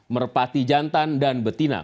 merpati jantan dan betina